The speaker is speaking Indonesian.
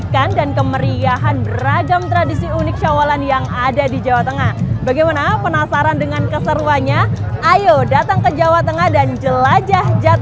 semoga kabupaten monosobo semakin asli semakin bersinar ekonominya semakin meningkat